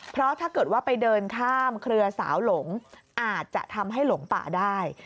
เพราะถ้าเกิดว่าไปเดินข้ามเครือสาวหลงอาจจะทำให้หลงป่าได้